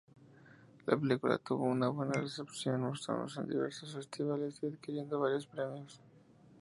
La película tuvo una buena recepción, mostrándose en diversos festivales y adquiriendo varios premios.